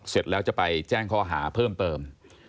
เสร็จแล้วจะไปแจ้งข้อหาเพิ่มเติม